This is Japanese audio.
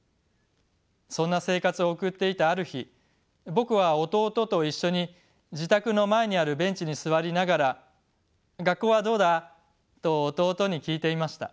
そんな生活を送っていたある日僕は弟と一緒に自宅の前にあるベンチに座りながら「学校はどうだ？」と弟に聞いていました。